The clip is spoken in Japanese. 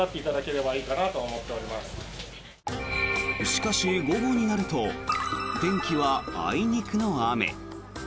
しかし、午後になると天気はあいにくの雨。